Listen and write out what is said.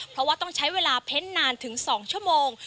เพราะว่าต้องใช้เวลาเพ้นนานถึง๒ชั่วโมง